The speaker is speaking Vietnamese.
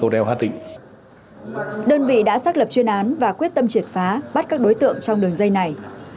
đơn vị đã xác lập chuyên án và quyết tâm triệt phá bắt các đối tượng trong đường dây này